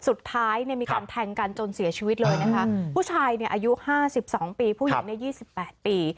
สุดท้ายเนี่ยมีการแทงกันจนเสียชีวิตเลยนะคะผู้ชายเนี่ยอายุ๕๒ปีผู้หญิงใน๒๘ปี